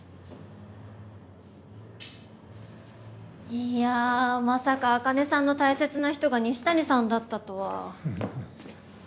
いやまさか茜さんの大切な人が西谷さんだったとは。